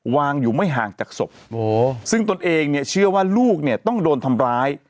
วางอยู่ไม่ห่างจากศพซึ่งตนเองเนี่ยเชื่อว่าลูกเนี่ยต้องโดนทำร้าย